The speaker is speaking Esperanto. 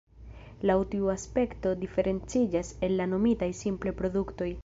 Laŭ tiu aspekto diferenciĝas el la nomitaj simple produktoj.